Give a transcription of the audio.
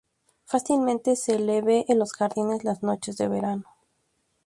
Fácilmente se la ve en los jardines las noches de verano.